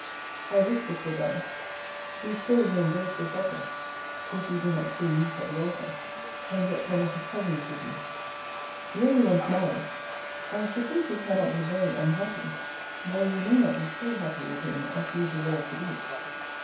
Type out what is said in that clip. I wish this were done. Be sure you embrace this offer, (if you do not soon meet at the altar,) and get one of his cousins with you. Were you once married, I should think you cannot be very unhappy, though you may not be so happy with him as you deserve to be.